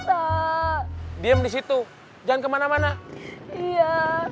pak diem disitu dan kemana mana iya